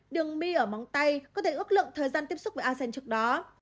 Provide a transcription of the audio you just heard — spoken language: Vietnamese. đường mi ở móng tay có thể ước lượng thời gian tiếp xúc với a sen trước đó